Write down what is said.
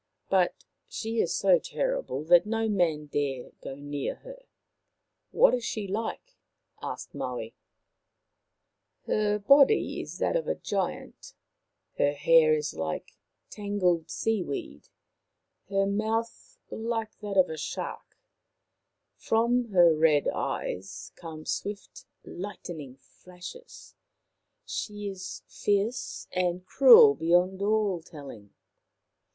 But she is so terrible that no man dare go near her." " What is she like ?" asked Maui. 9 6 Maoriland Fairy Tales " Her body is that of a giant, her hair is like tangled sea weed, her mouth like that of a shark ; from her red eyes come swift lightning flashes. She is fierce and cruel beyond all telling."